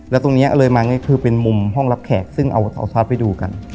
แล้วตรงนี้เลยมาง่ายคือเป็นมุมห้องรับแขกซึ่งเอาเสาซอสไปดูกัน